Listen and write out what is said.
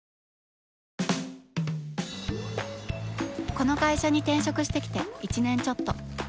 この会社に転職してきて１年ちょっと。